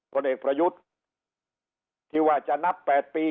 คนเอกพระยุทธ์ที่ว่าจะนับแปดปี